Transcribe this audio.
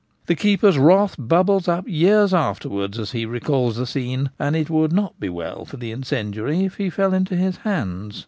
The keeper's wrath bubbles up years afterwards as he recalls the scene, and it would not be well for the incendiary if he fell into his hands.